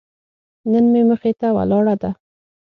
نن مې مخې ته ولاړه ده.